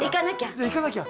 じゃ行かなきゃ。